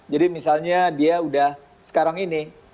jadi misalnya dia udah sekarang ini